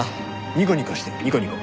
ニコニコしてニコニコ。